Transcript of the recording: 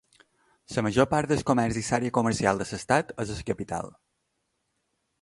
La major part del comerç i l'àrea comercial de l'estat és a la capital.